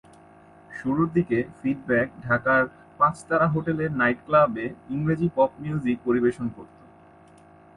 শুরুর দিকে ফিডব্যাক ঢাকার পাঁচ তারা হোটেলের নাইট ক্লাবে ইংরেজি পপ মিউজিক পরিবেশন করতো।